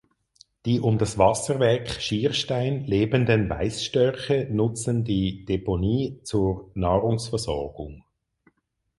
Die um das Wasserwerk Schierstein lebenden Weißstörche nutzen die Deponie zur Nahrungsversorgung.